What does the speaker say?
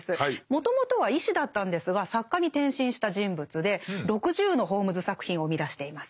もともとは医師だったんですが作家に転身した人物で６０のホームズ作品を生み出しています。